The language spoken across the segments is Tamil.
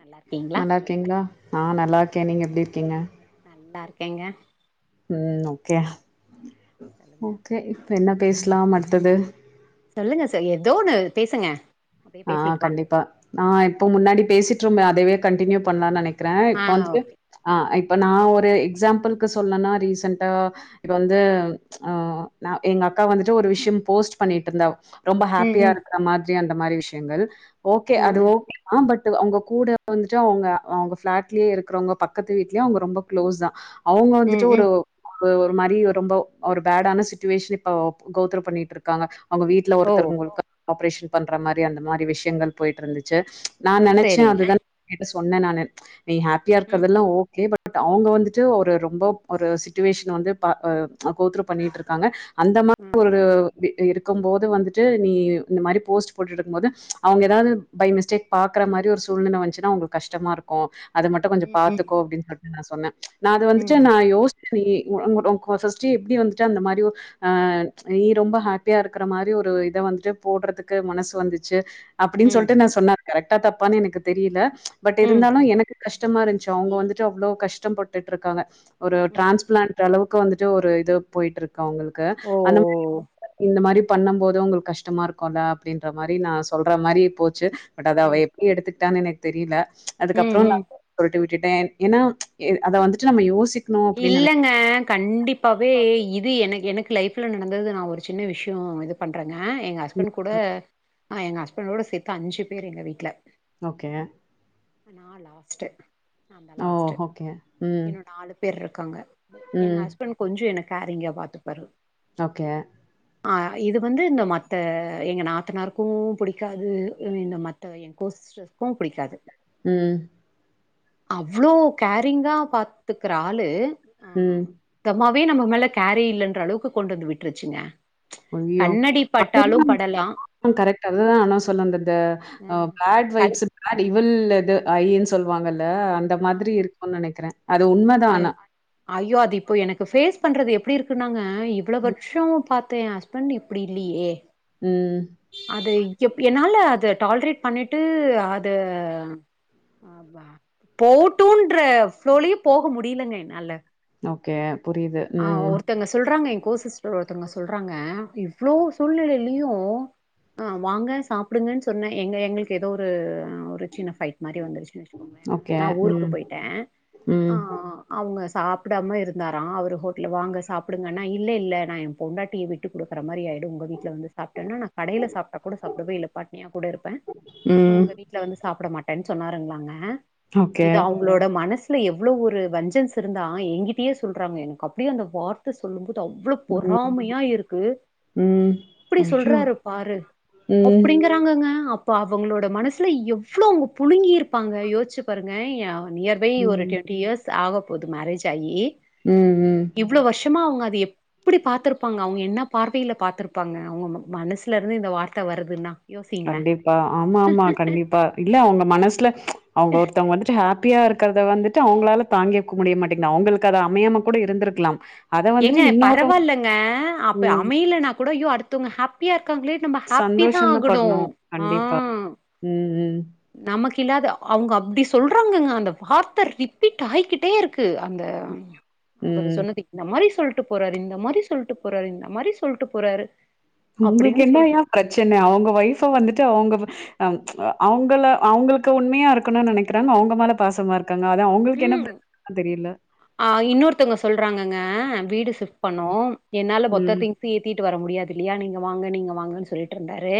நல்லா இருக்கீங்களா நல்லா இருக்கீங்களா நான் நல் நல்லா இருக்கேன் நீங்க எப்படி இருக்கீங்க நல்லா இருக்கேங்க உம் ஓ கே சொல்லுங்க ஓகே இப்ப என்ன பேசலாம் அடுத்தது சொல்லுங்க தோழி ஏதோ ஒண்ணு பேசுங்க அப்டியே ஆஹ் பேசிட்டு வாங்க கண்டிப்பா நான் இப்போ முன்னாடி பேசிட்டு இருந்தோம் அதுவே கண்டினியூ பண்ணலாம் நினைக்குறேன் இருக்கிறேன் ஆ இப்ப ஆ வந்துட்டு ஓகே ஆ இப்ப நான் ஒரு இது எக்சாம்பில்க்கு சொன்னன்னா ரீசன்டா இப்ப வந்து ஆ நா எங்க அக்கா வந்துட்டு ஒரு விஷயம் போஸ்ட் பண்ணிட்டு இருந்தா ரொம்ப ம் ஹாப்பியா ம் இருக்கிற மா ரி அந்த மாரி விஷ் யங்கள் ஓகே ம் அது ம் ஓகேதா பட் டு அவங்க கூட வந்துட்டு அவங்க அவங்க ஃபிளாட்லயே இருக்கிறவங்க பக்கத்து வீட்லயே அவங்க ரொம்ப க்ளோஸ்தா அவங்க ம் வந்துட்டு ம் ஒரு ம் ஓ ஒரு மாரி ரொம்போ ஒரு பேடான சுச்சுவேஷன் இப்ப கோத்ரூ பண்ணிட்டு இருக்காங்க அவங்க வீட்ல ஓ ஒருத்தரு உங்களுக்கு ஆப்ரஷேன் பண்ற மா ரி அந்த மாரி விஷயங்கள் போயிட்ருந்துச்சு நா நெனைச்சே சரிங்க அதுதான் என்ன சொ சொன்ன நானு நீ ஹாப்பியா ம் இருக்குறதெல்லா ஓகே ப ட் அவங்க வந்துட்டு ஒரு ரொம்ப ஒரு சிச்சுவேஷன் வந்து பா ஆ அ கோத்ரூ பண்ணிட்ருக்காங்க அந்த மாரி ம் ஒரு அப்டி ஆ இருக்கும் போது வந்துட்டு நீ இந்த மாரி போஸ்ட் போட்டுட்ருக்கும் போது அவுங்க எதாவது பை மிஸ்டேக் பாக்குற மாரி ஒரு சூழ்நில வந்துச்சுன்னா அவுங்களுக்கு கஷ்டமா இருக்கு அத மட்டு கொஞ்ச ம் ம் பாத்துக்கோ அப்டின் சொ அப்டின் நா சொன்னே நா அது ம் வந்துட்டு நா யோ சிச்சி ஓ [unintelligible] ஃபஸ்ட் எப்டி வந்துட்டு அந்த மாரி ஒ ஆ நீ ரொம்ப ஹாப்பியா இருக்கற மாரி ஒரு இத வந்துட்டு போடுறதுக்கு மனசு வந்துச்சு அப்பிடின் ம் சொல்ட்டு நா சொன்னே கரெக்டா தப்பான்னு எனக்கு தெரியல பட் ம் இருந்தாலு எனக்கு கஷ்டமா இருந்துச்சு அவுங்க வந்துட்டு அவ்ளோ கஷ்டம்பட்டுட்ருக்காங்க ஒரு ம் டிரான்ஸ்பிளான்ட் அளவு க்கு வந்துட்டு ஒரு இது போயிட்ரு க்கு அவங்களுக்கு ஓ அந்த மாரி இந்த மாரி பண்ணம் போது அவுங்களுக்கு கஷ்டமா இருக்குல்ல அப்டின்னு மாரி ம் நா சொல்ற மாரி போச்சு பட் அத அவ ம் எப்டி எடுத்து விட்டான்னு எனக்கு தெரில ம் அதுக்கப்புறோ நா ம் [inaudible] விட்டு விட் விட்டுட்டேன் ஏன்னா எ அத வந்துட்டு நம்ம யோசி இல்லங்க கண்டிப்பாவே கண்டிப்பாவே. இது எனக் எனக் லைஃப்ல நடந்தது நா ஒரு சின்ன விஷ்யோ இது பண்ற ங்க எங்க ஹஸ்பண்ட் கூட எங்க ஹஸ்பண்டோட சேத்து அஞ்சு பேரு எங்க வீட்ல ஓகே நா லாஸ்ட்டு நாந்தா ஓ! Last okay. ம். இன்னு நாலு பேர் இருக்காங்க எங்க ம். ஹஸ்பண்ட் கொஞ் ஞ்சோ என்ன கேரிங்கா பாத்துப்பாரு ஓகே அ இது வந்து இந்த மத்த எங்க நாத்தனாருக்கு புடிக்காது இந்த மத்த எங் கோசிஸ்டருக்கு புடிக்காது ம் அவ்ளோ கேரிங்கா பாத்து குற ஆளு ஆ ம். தவாம் வே நம்ம மேல கேரே இல்லன்ற அளவுக்கு கொண்டு வந்து விட்ருச்சுங்க ஐயையோ கண்ணடி பட்டாலு படலா ஆ [inaudible] கரெக்ட்டு அதுதா ஆனா சொல்ல ம் கல் [unintelligible] வில் அது ஐயின் சொல்லுவாங்கள் ள்ல அந்த மாதிரி ஆமா இருக்குன் நெனைக்கிற அது உண்மைதா அ ஆனா ஐயோ அது இப்போ எனக்கு ஃபேஸ் பண்றது எப்டி இருக்குனாங்க அ இவ்வளோ வருஷோ பாத் தே ஹஸ்பெண்ட்டு இப்புடி இல்லியே ம் அது எப் என்னால அது டால்ரேட் பண்ணிட்டு அது போட்டுன்ற ஃப்ளோலயே போக முடிலங்க என்னால ஓகே புரியுது. ஆ ம். ஒருத்தவங்க சொல்றாங்க எ கோ சிஸ்டர் ஒருத் த்தங்க சொல்றாங்க இவ்ளோ சூழ்நெலையிலயு அ வாங்க சாப்புடுங்கன் சொன்ன எங்க எங்களுக்கு எதோ ஒரு ஒரு சின்ன பைட் மாரி வந்துருச்சுன் வெச்சுக்கோங்களே ஏனா நா ஊருக்கு போயிட்ட ஆ அவுங்கஸ் சாப்புடாம இருந்தாரா அவரு ஹோட்டல்ல வாங்க சாப்புடுங்கன்னா இல்ல இல்ல நா எம் பொண்டாட்டிய விட்டுகுடுக்கற மாரி ஆயி டு உங்க வீட்ல வந்து சாப்புட்டன்னா நா கடைல சாப்டா கூட சாப்புடுவ இல்ல பட்ணியா கூட இருப்ப உங்க வீட்ல வந்து சாப்புட மாட்டன்ஸ் சொன்னாருங்ளாங்க இது அவங்களோட மனஸ் த்துல எவ்வளோ ஒரு வஞ்சன்ஸ் இருந்தா எங்கிட்டயே சொல்றாங்க எனக்கு அப் அப்டியே அந்த வார்த்த சொல்லும் போது ட்டோ அவ்வளோ ம். பொறாமையா இருக்கு ம். எப்டி ஐயோ! சொல்றாரு பாரு ம். அப்டிங்கிறாங்கங்க அப் இப்போ அவங்களோட மனசுல எவ்வளோ அவங்க புழுங்கிருப்பாங்க யோசுச்சுப் பாருங்க நியர் பை ஒரு ம். டுவெண்டி இயர்ஸ் ஆக போது மேரேஜ் ஆயி ம் ம் ஷமா அவங்க அது எப்புடி பாத்துருப்பாங்க அவங்க என்ன பார்வையில பாத்துருப்பாங்க அவங்க ம மனசுல இருந்து இந்த வார்த்த வருதுன்னா யோசிங்களா கண்டிப்பா ஆமா ஆமா கண்டிப்பா இல்ல அவங்க மனஸ்ல அவங்க ஒருத்தவங்க வந்துட்டு ஹா ஹாப்பியா இருக்குறத வந்துட்டு அவங்களால தாங்கிக்க முடிய மாட்டிங்குது அவங்களுக்கு அது அமையாம கூட இருந்துருக்கலாம் ஏங்க பரவால்லங்க அப்ப ம். அமையிலனாக் கூட ஐயோ அடுத்தவங்க ஹேப்பியா இருக்காங்களே நம்ப ஹாப்பிதா சந்தோஷம் தான் ஆகணு படணும். ஆ கண்டிப்பா. ம். ம். நமக்கு இல்லாத அவங்க அப்டி சொல்றாங்கங்க அந்த வார்த்த ரிப்பீட் ஆயிக்கிட்டே இருக்கு அந்த அவுரு ம். சொன்னது இந்த மாரிஸ் சொல்ட்டு போறாரு இந்த மாரி சொல்ட்டு போறாரு இந்த மாரி சொல்ட்டு போறாரு உங்களுக்கு அப்டின்னு சொல்ட்டு என்னயா பிரச்சன அவங்க ஒயிஃப்ப வந்துட்டு அவங்க அம் அவங்க அவங்களுக்கு உண்மையா இருக்கணுன் நெனைக்கிறாங்க அவங்க மேல பாசமா இரு ம் அ இன்னொருத்தவங்க சொல்றாங்கங்க வீடு சிஃப்ட் பண்ணோம் என்னால மொத்த ம், திங்ஸ்யு ஏத்தி ட்டு வர முடியாது இல்லியா நீங்க வாங்க நீங்க வாங்கன் சொல்ட்ருந்தாரு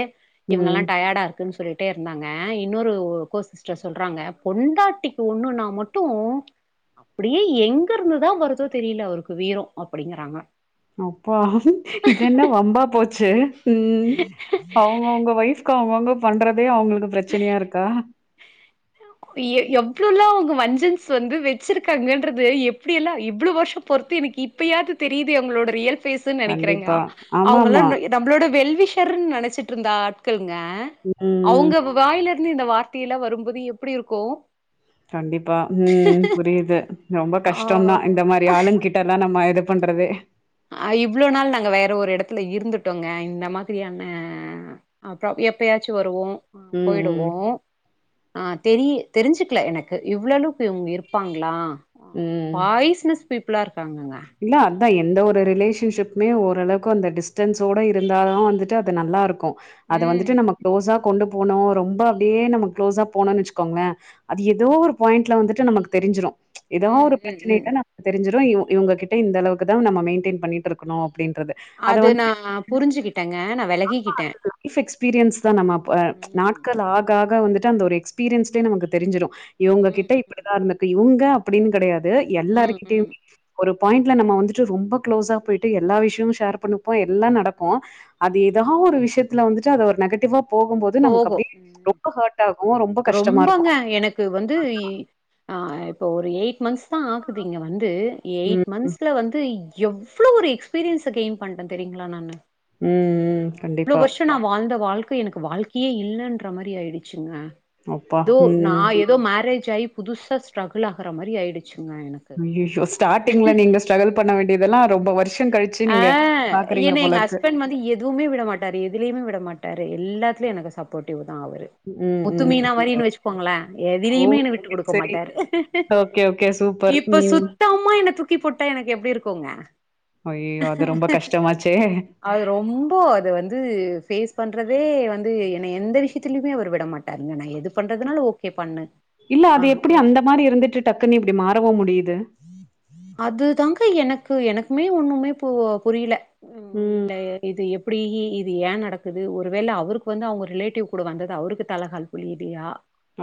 இவங்கல்லா ம். டயடா இருக்குன் சொல்லி ட்டே இருந்தாங்க இன்னொரு கோ சிஸ்டர் சொல்றாங்க பொண்டாட்டிக்கு ஒன்னுனா மட் டு அப்டியே எங்க இருந்துதா வருதோ தெரில அவருக்கு வீரோ அப்டிங்குறாங்க அப்பா இதென்ன வம்பா போச் சு உ அவங்க அவங்க வைஃப்க்கு அவங்க ரொம்ப பண்ற அதே அவங்களுக்கு பிரச்சனையா இருக்கா எ எவ்ளலா அவங்க வஞ்சன்ஸ் வந்து வச்சிருக்காங்கன்றது எப்படி எல்லா இவ்வள வருஷ பொறுத்து எனக்கு இப்பயாவது தெரியுது அவங்களோட ரியல் பேசு நினைக்கிறேங்க கண்டிப்பா. அவங்களா ஆமாமா. நம்மளோட வெல்வி ஷர்ன் நனச்சிட்டு இருந்தா ஆட்கள் ங்க ம். அவங்க வாயில இருந்து இந்த வார்த் டில வரும்போது எப் ப்படி இருக்கு கண்டிப்பா உ புரியுது ரொம்ப ஆ கஷ்டம்தா இந்த மாரி ஆளு கிட்டல்லா நம்ம இது பண்றதே ஆ இவ்வள நாள் நாங்க வேற ஒரு எடத்துல இருந்துட்டோங்க இந்த மாதிரியான அ எப்பயாச்சு வருவோ உ ம், போயிடுவோ ம், ஆ தெரிய தெரிஞ்சுக்கல எனக்கு இவ்வளவுக்கு இவங்க இருப்பாங்களா ஆ ம். பாய்ஸ் நஸ் பிப்ளார் காங்க க இல்ல எந்த ஒரு ரிலேஷன்ஷிப்புமே ஓரளவுக்கு அந்த டிஸ்டன்ஸோடு இருந்தாதா வந்துட்டு அது நல்லாயிருக்கு அத ம் வந்துட்டு நம்ம குளோசா கொண்டு போனோ ரொம்ப அப்படியே நம்ப க்ளோசா போனோனு வச்சுக்கோங்களே அது ஏதோ ஒரு பாயிண்ட்ல வந்துட்டு நமக்கு தெரிஞ்சிடு எதா ம் ஒரு ம் ம் பிரச்சனய்ல நமக் தெரிஞ்சுரு எ இவங்க கிட் இந்த அளவுக்கு தா நம்ம மெயின்டென் பண்ணிட்டு இருக்கணு அப்படின்றது அத அது நா வன்ட்டு புரிஞ்சுகிட்டேங்க நா ஆமா வெலகிக்கிட்டே அ லைஃப் எக்ஸ்பீரியன்ஸ் தா நம்ம ம் நாட்கள் ஆக ஆக [unintelligible] வந்துட்டு அந்த ஒரு எக்ஸ்பீரியன்ஸ்லே நமக்கு தெரிசிடு ம் இவுங்ககிட்ட இப்டிதா இருந்திருக்குயு த அப்டின்னு கெடையாது து ம் ம் ம் எல்லாருகிட்டயுமே ஒரு பாயிண்ட்ல நம்ம வந்துட்டு ரொம்ப களோஸா போயிட்டு எல்லா விஷயமு ஷேர் பண்ணப்போ எல்லா நடக்கு அது ஏதாவது ஒரு விஷயத்துல வந்துட்டு அத ஒரு நெகட்டிவா போகும்போது நமக்கு போகு அப்டியே ரொம்ப ஹர்ட் ஆகு ரொம்ப கஷ்டமா இருக்கு. ரொம்பங்க எனக்கு வந்து ஆ இப்போ ஒரு எயிட் மந்த்ஸ் தா ஆகுது இங்க வந்து இ எயிட் ம். ம். மந்த்ஸ்ல வந்து எவ்ளோ ஒரு எக்ஸ்பீரியன்ஸ கெயின் பண்ற தெரியுங்களா நானு ம் ம் கண்டிப்பா கை எனக்கு வாழ்க்கியே இல்லன்ற மாரி ஆயிடுச்சுங்க அப்பா! எதோ நா ம். எதோ மேரேஜ் ஆயி புதுசா ஸ்ட்ரகுல் ஆகுற மாரி ஆயிடு ஐயையோ ஸ்டாட்டிங்ல நீங்க ஸ்ட்ரகல் பண்ண வேண்டியதெல்லா ரொம்ப வருஷங் கழிச்சு ஆ நீங்க பாக்குறீங்க என்ன போல எங்க இருக்கு ஹஸ்பண்ட் வந்து எதுவுமே விட மாட்டாரு எதுலியுமே விட மாட்டாரு எல்லாத்துலயு எனக்கு சப்போட்டிவ்வு தா அவரு ம். முத்து ம். மீனா மாரினு வெச்சுக்கோங்களே ஓ! எதுலியுமே என்ன விட்டு குடுக்க சரி. மாட்டாரு ஓகே, ஓகே. சூப்பர். இப்ப ம். சுத்தமா என்ன தூக்கி போட் ட்டா எனக்கு எப்டி இருக்குங்க ஐயையோ அது ரொம்ப கஷ்ட மாச்சே அது ரொம்ப அது வந்து பேஸ் பண்றதே வந்து என்னய எந்த விஷ்யத்துலயுமே அவர் விட மாட்டாருங்க நா எது பண்றதுனாலு ஓகே பண்ணு இல்ல ஆ அது எப்டி எ அந்த மாரி இருந்துட்டு டக்குன்னு இப்டி மாறவு முடிது அதுதாங்க எனக்கு எனக்குமே ஒண்ணுமே பு புரில ம் இல்ல இது எப்டி இது ஏ நடக்குது ஒரு வேல அவருக்கு வந்து அவுங்க ரிலேட்டிவ் கூட வந்தது அவருக்கு தல கால் புரிலியா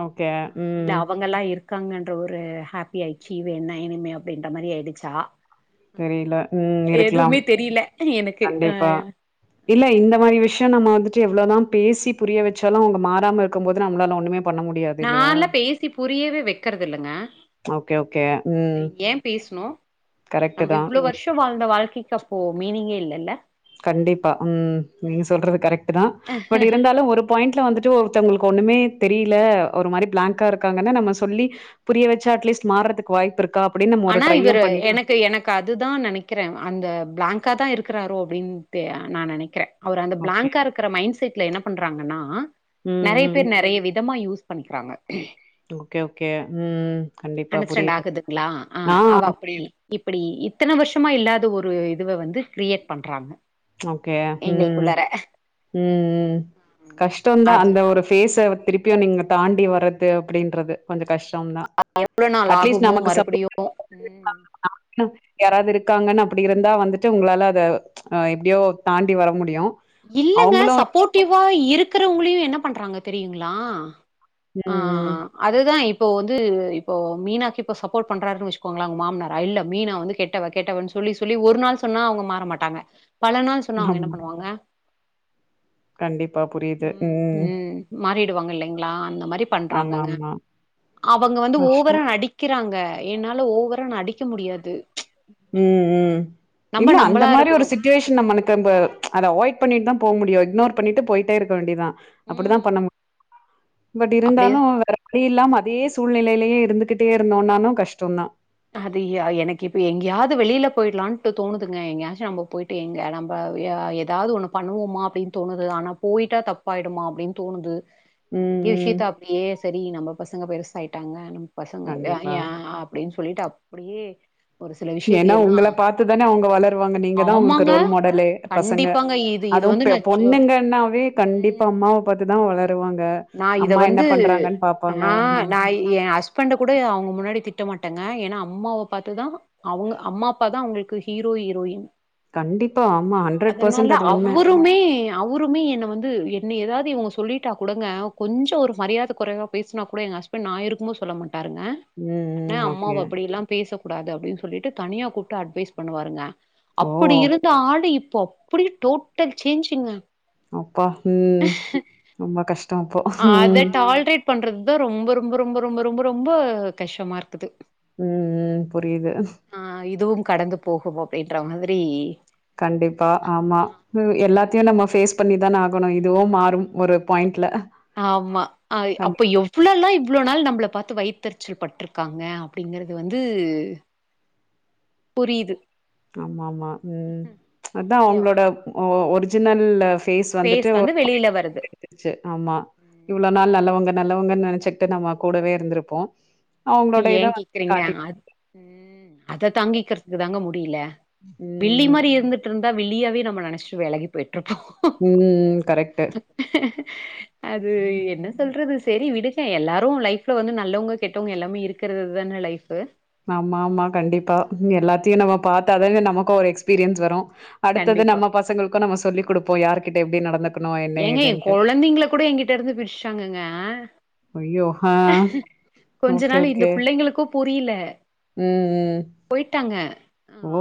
ஓகே. அ இல்ல ம். அவங்கல்லா இருக்கு இருக்காங்கன்ற ஒரு ஹேப்பி ஆயிச்சீவ் வேணா இனிமே அப்டின்ற மாரி ஆயிடுச்சா தெரில ம் இருக்கலாம் எதுவுமே தெரியல எனக்கு அ கண்டிப்பா இல்ல இந்த மாரி விஷ்யோ நம்ம வந்து ட்டு எவ்ளோதாம் பேசி புரிய வெச்சாலு அவுங்க மாறாம இருக்கும் போது நம்மளால ஒண்ணுமே பண்ண முடியாது இல்லையா? நான்லா பேசி புரியவே வெக்கிறது இல்லங்க ஓகே, ஓகே. ம். ஏம் பேசுனு கரெக்ட்டு நம்ப தான். இவ்ளோ ம். வருஷோ வாழ்ந்த வாழ்க்கைக் [unintelligible] மீனிங்கே இல்லல்ல கண்டிப்பா ம் நீங்க சொல்றது கரெக்ட்டுதா பட் இருந்தாலு ஒரு பாயிண்ட்ல வந்துட்டு ஒருத்தவங்களுக்கு ஒண்ணுமே தெரில ஒரு மாரி பிளேங்க்கா இருக்காங்கன்னா நம்ம சொல்லி புரிய வெச்சா அட்லீஸ்ட் மார்றதுக்கு வாய்ப் ஆனா இவரு எனக்கு எனக்கு அதுதா நெனக்கிற அந்த பிளேங்க் ங்காதா இருக்குறாரோ அப்டின்ட்டு நா நெனக்கிற அவரு அந்த ஓகே. பிளேங்கா இருக்குற மைண்ட் செட்ல என்னப் பண்றாங்கன்னா ம், நறையா ம். பேர் நறையா விதமா யூஸ் பண்ணிக்கிறாங்க ஓகே ஓகே ம் கண்டிப்பா அண்டஸ்டேண்ட் புரியுது. ஆகுதுங்களா ஆ அவ அப்புடி இப்புடி இப் இத்தன வருஷமா இல்லாத ஒரு இதுவ வந்து கிரியேட் பண்றாங்க இட்ஸ் ஓகே ம் ம் எங்களுக்குள்ளார ம் ம் கஷ்டந்தா அது அந்த ஒரு ஃபேஸ்ஸ திருப்பியு நீங்க தாண்டி வரது அப்டின்றது கொஞ்சோ கஷ் டம்தா இவ்ளோ நாள் அட்லீஸ்ட் ஆகுமோ நமக்கு சப்போ மறுபடியு ம் [inaudible] யாராவது இருக் இருக்காங்கன்னு அப்டி இருந்தா வந்துட்டு உங்களால அத அ எப்புடியோ தாண்டி வர முடியு இல்லங்க அவங்களு சப்போட்டிவா இருக் இருக்குற உங்களியு என்ன பண்றாங்க தெரியுங்களா ஆ ம் ம் அதுதா இப்போ வந்து இப்போ மீனாக்கு இப்போ சப்போட் பண்றாருன்னு வெச்சுக்கோங்களே அவங்க மாமனாரா இல்ல மீனா வந்து கெட்டவ கெட்டவன் சொல்லி சொல்லி ஒரு நாள் சொன்னா அவங்க மாற மாட்டாங்க பல நாள் சொன்னா அவங்க என்ன ஆமா பண்ணுவாங்க கண்டிப்பா புரிது ம் ம் ம் மாறிடுவாங்க இல்லைங்களா அந்த மாரி பண்றாங்கங்க ஆமா அவங்க வந்து கஷ்டோ ஓவரா நடிக்கிறாங்க என்னால ஒவரா நடிக்க முடியாது ம் ம் நம்ம இல்ல அந்த நம்பளா மாரி ஒரு இருக்கணு. சிட்டிவேஷன் நம்மனுக்கும்ப அத அவாய்ட் பண்ணிட்டுதா போம் முடியு இக்னோர் பண்ணிட்டு போயிட்டே இருக்க வேண்டிதா அப்புடித்தா ம். பண்ண மு பட் அப்டி இருந்தாலு வேற வழி இல்லாம அதயேஸ் சூழ்நெலையிலயே இருந்துகிட்டே இருந்தோன்னானு கஷ்டோந்தா அதுயா எனக்கு இப்ப எங்கேயாவது வெளில போயிடலான்ட்டு தோணுதுங்க எங்கேயாச்சு நம்ம போயிட்டு எங்க நம்ப எதாவது ஒண்ணு பண்ணுவோமா அப்டின் தோணுது ஆனா போயிட்டா தப்பாயிடுமா அப்டின் தோணுது ம் நறையா ம் விஷ்யத்த அப்டியே சேரி நம்ம பசங்க பெருசாயிட் விட்டங்க நம் பசங்க எ கண்டிப்பா எ அப்டின்ஸ் சொல்லிட்டு அப்புடியே ஏன்னா உங்கள பாத்துதான அவங்க வளருவாங்க நீங்கதா அவங்களுக்கு ஆமாங்க. ரோல் மாடலே பசங்க கண்டிப்பாங்க. இது இது அதுவும் வந்து பெ நான் சு பொண்ணுங்கன்னாவே கண்டிப்பா அம்மாவ பாத்துதா வளருவாங்க நா இத அம்மா என்ன வந்து பண்றாங்கன்னு ஆ பாப்பாங்க ம் நா எ ஹஸ்பண்ட கூட அவங்க முன்னாடி திட் கட்ட மாட்டங்க ஏனா அம்மாவ பாத்துதா அவங்க அம்மா அப்பா தா அவங்களுக்கு ஹீரோ ஹீரோயின் கண்டிப்பா ஆமா ஹண்ட்ரட் அதனால பர்சன்ட் அது உண்ம அவருமே அவருமே என்ன வந்து என்னி எதாவது ந்து இங்க சொல்லிட்டா குடுங்க கொஞ்சோ ஒரு மரியாத குறைவா பேசுனா கூட ஹஸ்பண்ட் நா இருக்கும் போது சொல்ல மாட் டாருங்க ம் கன்னு ம் ஓகே அம்மாவ அப்படி எல்லாம் பேசக்கூடாது அப்டின் சொல்லிட்டு தனியா கூட்டு அட்வைஸ் பண்ணுவாருங்க ஓ அப்புடி இருந்த ஆளு இப் இப்ப அப்புடியே டோட்டல் சேஞ்சுங்க அப்பா ம் ரொம்ப கஷ் டோ அப்போ ம் பண்றதா ரொம்ப ரொம்ப ரொம்ப ரொம்ப ரொம்ப ரொம்ப கஷ்டமா இருக்குது ம் புரிது ஆ இதுவும் கடந்து போகுவோ அப்டின்ற மாதிரி கண்டிப்பா ஆமா ஆ மீ எல்லாத்தையு நம்ம பேஸ் பண்ணிதான ஆகணு இல் இதுவு மாறும் ஒரு பாயிண்ட்ல ஆமா அய் கண்டி அப்ப எவ்வளோ எல்லா இவ்வளோ நாள் நம்பள பாத்து வைத்தெறுச்சல் பட்ருக்காங்க அப்டிங்குறது வந்து புரிது ஆமா ஆமா ம் அதா ம். அவங்களோட ஒரு ஒருஜினல்லஃப் ஃபேஸ் வந்துட்டு [inaudible] வந்து வெளில வருது. ச்சு ஆமா ம். இவ்ளோ நாள் நல்லவங்க நல்லவங்கன் நெனச்சுக்கிட்டு நம்ம கூடவே இருந்துருப்போ ஏ கேக்குறீங்க அத் ம் அத தாங்கிக்கிறதுக்கு தாங்க முடியில வில்லி ம். மாரி இருந்துட்டு இருந் தா வில்லியாவே நம்ம நெனசுட்டு வெலகி போயிட் ம் கரெக்ட்டு அது என்ன சொல்றது சேரி விடு எல்லாரு லைஃப்ல வந்து நல்லவங்க கெட்டவங்க எல்லா மே இருக்குறது தான லைஃப்பு ஆமா ஆமா கண்டிப்பா ம் எல்லாத்தையு நம்ம பாத்தாதான நமக்கு ஒரு எக்ஸ் பீரியன்ஸ் வரும் அடுத்தது கண்டிப்பா. நம்ம பசங்களுக்கும் நம்ம சொல்லி கொடுப்போமா யார்கிட்ட எப்படி நடந்து ஏங்க என் குழந்தைங்களை கூட எங்கிட்ட இருந்து பிரிச்சிட்டாங்கங்க ஆ ஓகே ஓகே பிள்ளைங்களுக்கும் புரியல ம், ம். போயிட்டாங்க அ ஓ!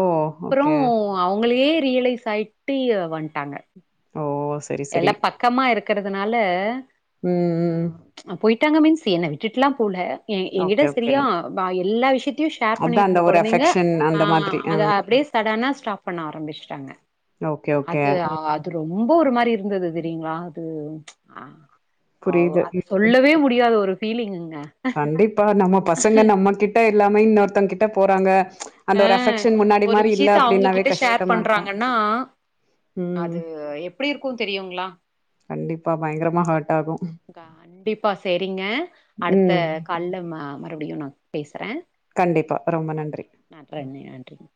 ஓகே. அப்புறம் அவுங்களே ரியலைஸ் ஆயிட்டு வந்துட்டாங்க ஓ! சரி, சரி. எல்லாம் பக்கமா இருக் கறதுனால ம் ம் விட்டாங்க மீன்ஸ் என்ன விட்டுட்டுலாம் போல எங்கிட்ட ஓகே, ஓகே. சரியா வாய எல்லா விஷயத் தையும் ஷேர் பண்ணி அதான் அந்த இருந்த ஒரு குழந்தைங்க அஃபெக்ஷன் அந்த ஆ மாதிரி. அத ம். அப்படியே சடனா ஸ்டாப் பண்ண ஆரம்பிச்சிட்டாங்க ஓகே, ஓகே. அது ம். அது ரொம் ரொம்ப ஒரு மாரி இருந்தது தெரியுங்களா ஓ புரியுது. ஆ ஔ ம். சொல்லவே முடி யாத ஒரு பீலிங்கு கண்டிப்பா நம்ம பசங்க நம்ம கிட்ட இல்லாம இன்னொருத்தங்க கிட்ட போறாங்க அந்த ஆ ஒரு அஃபெக்ஷன் முன்னாடி ஒரு மாரி இல்ல விஷயத்த அப்டின்னாவே அவுங்ககிட்ட ஷேர் கஷ்டமா இருக்கும். பண்றாங்கன்னா ம். அது எப்படி இருக்கும் தெரியுங்களா கண்டிப்பா பயங்கரமா ஹர்ட் ஆகும். கண்டிப்பா செரிங்க ப ம். கல்லமா மறுபடியும் நான் பேசுறேன் கண்டிப்பா ரொம்ப நன்றி நன் நன்றி நன்றீங்க